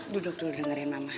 duduk dulu dengerin mama